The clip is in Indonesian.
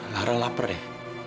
lara lapar deh